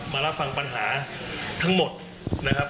มารับฟังปัญหาทั้งหมดนะครับ